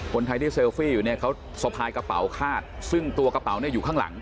คนไทยที่เซลฟี่อยู่เนี่ยเขาสะพายกระเป๋าคาดซึ่งตัวกระเป๋าเนี่ยอยู่ข้างหลัง